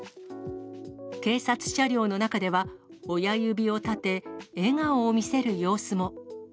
警察車両の中では、親指を立て、笑顔を見せる様子も。